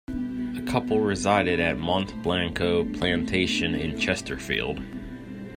The couple resided at Mont Blanco plantation in Chesterfield.